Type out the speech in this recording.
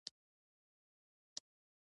لس زره میګاوټه بریښنا د خلاصون برخه ده.